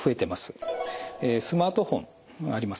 スマートフォンがありますね。